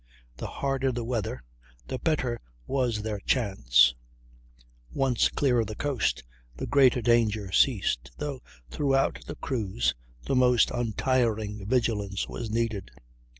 The harder the weather, the better was their chance; once clear of the coast the greatest danger ceased, though throughout the cruise the most untiring vigilance was needed.